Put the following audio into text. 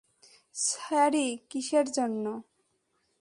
Sorry কিসের জন্য?